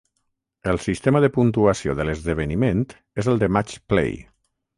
El sistema de puntuació de l'esdeveniment és el de match play.